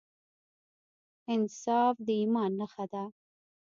انصاف د ایمان نښه ده.